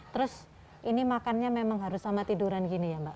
terus ini makannya memang harus sama tiduran gini ya mbak